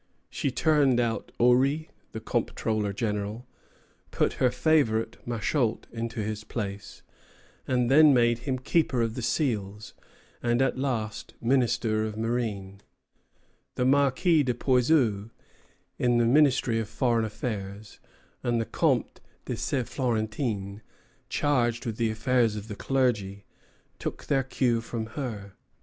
She turned out Orry, the comptroller general, put her favorite, Machault, into his place, then made him keeper of the seals, and at last minister of marine. The Marquis de Puysieux, in the ministry of foreign affairs, and the Comte de St. Florentin, charged with the affairs of the clergy, took their cue from her.